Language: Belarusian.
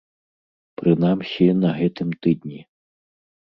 Прынамсі, на гэтым тыдні.